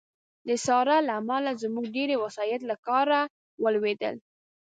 د ساړه له امله زموږ ډېری وسایط له کار ولوېدل